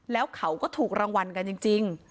แล้วเขาก็ถูกรางวัลกันจริง